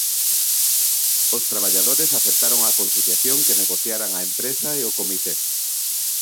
Os traballadores aceptaron a conciliación que negociaran a empresa e o comité.